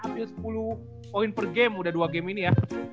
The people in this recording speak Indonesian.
ambil sepuluh poin per game udah dua game ini ya